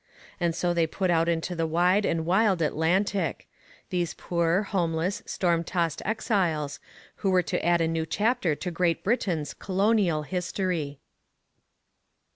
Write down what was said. And so they put out into the wide and wild Atlantic these poor, homeless, storm tossed exiles, who were to add a new chapter to Great Britain's colonial history.